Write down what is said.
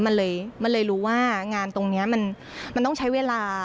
มันเลยมันเลยรู้ว่างานตรงนี้มันต้องใช้เวลา